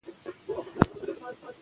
که ولور نه وي نو ځوان نه زړیږي.